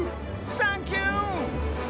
サンキュー！